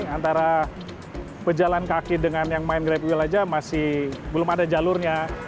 antara pejalan kaki dengan yang main grab wheel aja masih belum ada jalurnya